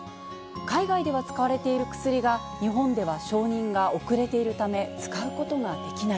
海外では使われている薬が、日本では承認が遅れているため、使うことができない。